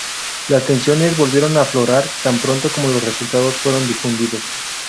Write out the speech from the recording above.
Las tensiones volvieron a aflorar tan pronto como los resultados fueron difundidos.